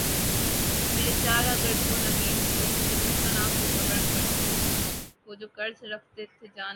مرے چارہ گر کو نوید ہو صف دشمناں کو خبر کرو